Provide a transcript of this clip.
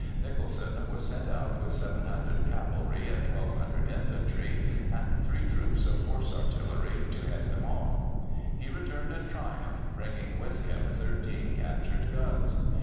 Nicholson was sent out with 700 cavalry and 1,200 infantry, and three troops of horse artillery, to head them off. He returned in triumph, bringing with him thirteen captured guns.